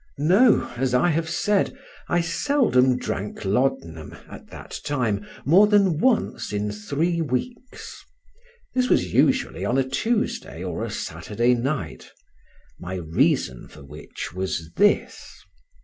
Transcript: No, as I have said, I seldom drank laudanum, at that time, more than once in three weeks: This was usually on a Tuesday or a Saturday night; my reason for which was this.